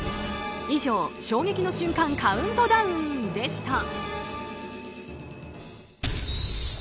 以上衝撃の瞬間カウントダウンでした。